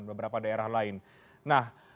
beberapa daerah lain nah